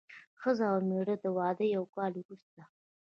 ښځه او مېړه د واده یو کال وروسته.